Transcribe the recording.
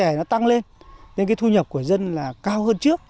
năng suất trẻ nó tăng lên nên cái thu nhập của dân là cao hơn trước